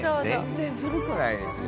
全然ずるくないですよ。